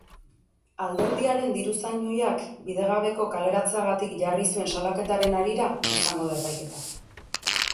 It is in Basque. Alderdiaren diruzain ohiak bidegabeko kaleratzeagatik jarri zuen salaketaren harira izango da epaiketa.